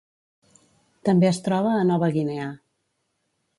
També es troba a Nova Guinea.